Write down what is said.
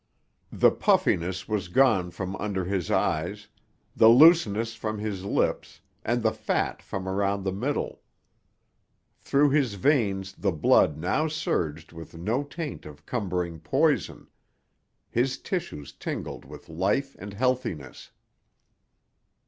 The puffiness was gone from under his eyes, the looseness from his lips and the fat from around the middle. Through his veins the blood now surged with no taint of cumbering poison; his tissues tingled with life and healthiness.